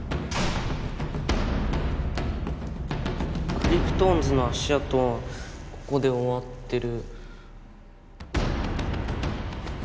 クリプトオンズの足あとはここでおわってる。